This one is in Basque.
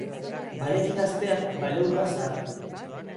Baleki gazteak, baleuka zaharrak.